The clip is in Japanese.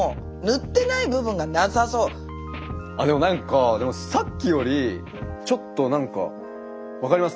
でも何かさっきよりちょっと何か分かります。